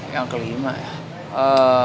yang kelima ya